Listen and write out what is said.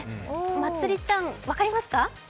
まつりちゃん、分かりますか？